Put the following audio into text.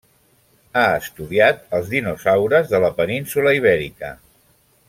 Ha estudiat els dinosaures de la península Ibèrica.